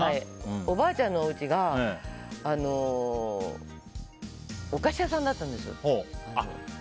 おばあちゃんのおうちがお菓子屋さんだったんですよ。